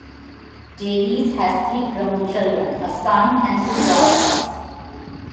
Davies has three grown children, a son and two daughters.